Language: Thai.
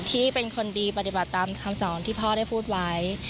ที่เป็นคนดีปฏิบัติตามคำสอนที่พ่อได้พูดไว้